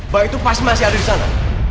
bahwa itu pasti masih ada di sana